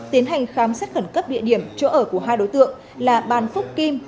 tiến hành khám xét khẩn cấp địa điểm chỗ ở của hai đối tượng là bàn phúc kim